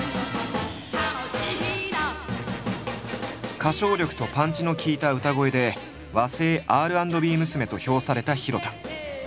歌唱力とパンチの効いた歌声で「和製Ｒ＆Ｂ娘」と評された弘田。